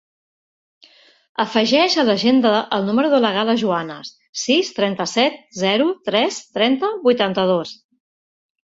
Afegeix a l'agenda el número de la Gala Juanes: sis, trenta-set, zero, tres, trenta, vuitanta-dos.